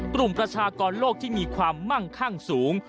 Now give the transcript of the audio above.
ประชากรโลกที่มีความมั่งข้างสูง